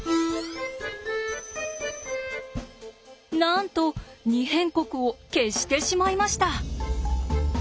なんと「二辺国」を消してしまいました。